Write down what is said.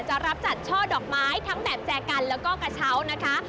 รับจัดช่อดอกไม้ทั้งแบบแจกันแล้วก็กระเช้านะคะ